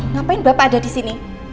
ngapain bapak ada disini